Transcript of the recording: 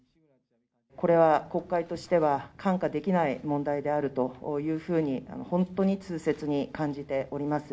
これは国会としては、看過できない問題であるというふうに本当に痛切に感じております。